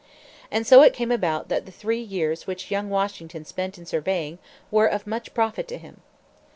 And so it came about that the three years which young Washington spent in surveying were of much profit to him.